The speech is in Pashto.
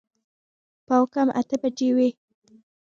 پاو کم اته بجې وې.